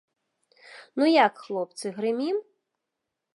Ну, як, хлопцы, грымім?